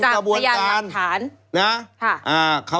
จากพยานหลักฐาน